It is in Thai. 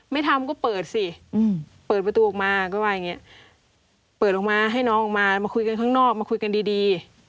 ไม่ทำก็เปิดสิเปิดประตูออกมาก็ว่าอย่างนี้เปิดออกมาให้น้องออกมามาคุยกันข้างนอกมาคุยกันดี